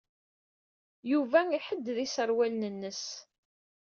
Yuba iḥedded iṣerwalen-nnes.